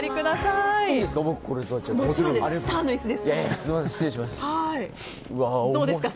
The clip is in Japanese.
いいんですか？